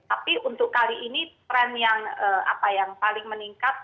tapi untuk kali ini tren yang paling meningkat